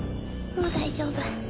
もう大丈夫。